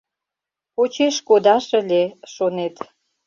«Почеш кодаш ыле», – шонет.